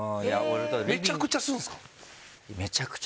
めちゃくちゃするんすか？